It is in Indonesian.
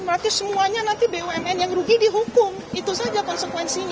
berarti semuanya nanti bumn yang rugi dihukum itu saja konsekuensinya